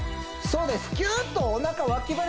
そうです